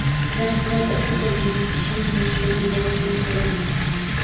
Yaxshiroq o’qib-o’rganish kishining yoshi bilan bog’liq masala emas.